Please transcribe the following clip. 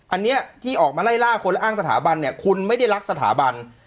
อันนี้ที่ออกมาไล่ล่าคนและอ้างสถาบันเนี่ยคุณไม่ได้รักสถาบัน